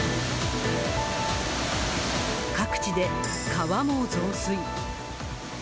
各地で川も増水。